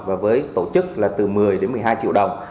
và với tổ chức là từ một mươi đến một mươi hai triệu đồng